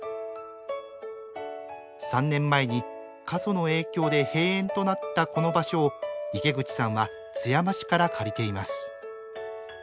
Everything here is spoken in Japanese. ３年前に過疎の影響で閉園となったこの場所を池口さんは津山市から借りています。